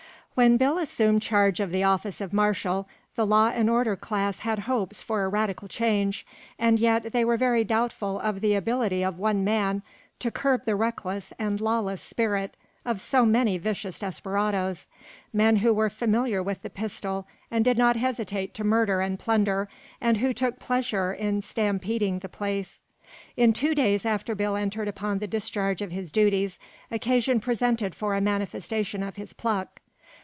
When Bill assumed charge of the office of marshal, the law and order class had hopes for a radical change, and yet they were very doubtful of the ability of one man to curb the reckless and lawless spirit of so many vicious desperadoes men who were familiar with the pistol and did not hesitate to murder and plunder, and who took pleasure in "stampeding" the place. In two days after Bill entered upon the discharge of his duties, occasion presented for a manifestation of his pluck.